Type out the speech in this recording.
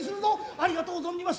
ありがとう存じます。